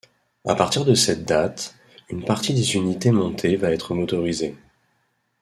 À partir de cette date, une partie des unités montées va être motorisée.